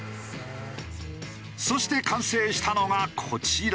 そして完成したのがこちら。